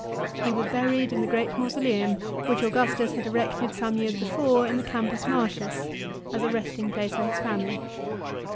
He was buried in the great mausoleum which Augustus had erected some years before in the Campus Martius, as a resting place for his family.